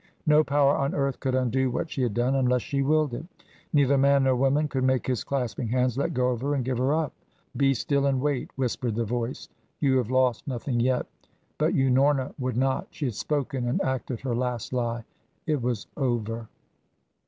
No power on earth could undo what she had done, unless she willed it. Neither man nor woman could make his clasping hands let go of her and give her up. Be still and wait, whispered the voice, you have lost nothing yet. But Unorna would not. She had spoken and acted her last lie. It was over.